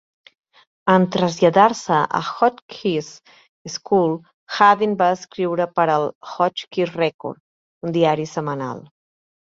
En traslladar-se a Hotchkiss School, Hadden va escriure per al "Hotchkiss Record", un diari setmanal.